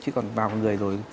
chứ còn vào con người rồi